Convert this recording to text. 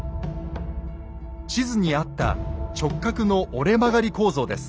地図にあった直角の折れ曲がり構造です。